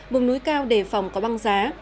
vùng núi cao đề phòng có băng giá